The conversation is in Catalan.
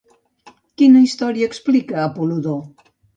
Quina història explica Apol·lodor?